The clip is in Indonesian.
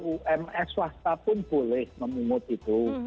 ums swasta pun boleh memungut itu